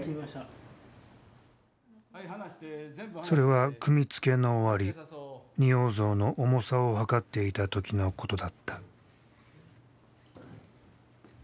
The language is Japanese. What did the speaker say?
それは組み付けの終わり仁王像の重さを量っていた時のことだった。